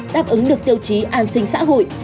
đáp ứng được tiêu chí an sinh xã hội